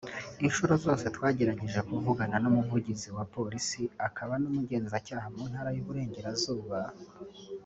inshuro zose twagerageje kuvugana n’Umuvugizi wa Polisi akaba n’Umugenzacyaha mu Ntara y’Uburengerazuba